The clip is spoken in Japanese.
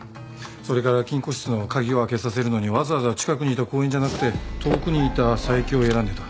それから金庫室の鍵を開けさせるのにわざわざ近くにいた行員じゃなくて遠くにいた佐伯を選んでた。